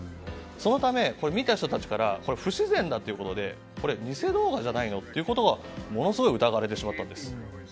そのため、見た人たちから不自然だということでこれは偽動画じゃないの？とものすごく疑われてしまったんです。